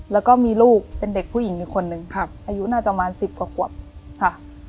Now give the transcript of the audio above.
แล้วก็มีลูกเป็นเด็กผู้หญิงอีกคนนึงอายุน่าจะประมาณสิบกว่าขวบค่ะ